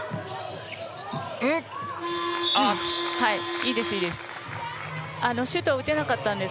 いいです、いいです。